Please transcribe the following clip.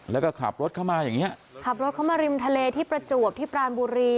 แล้วก็ขับรถเข้ามาอย่างเงี้ยขับรถเข้ามาริมทะเลที่ประจวบที่ปรานบุรี